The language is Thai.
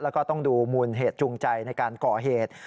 แล้วก็ต้องดูมูลเหตุจูงใจในการก่อเหตุ